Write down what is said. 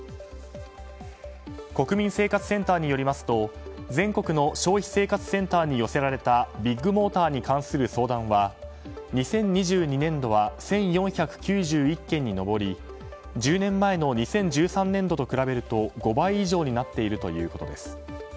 国民生活センターによりますと全国の消費生活センタ−に寄せられたビッグモーターに関する相談は２０２２年度は１４９１件に上り１０年前の２０１３年度と比べると５倍以上になっているということです。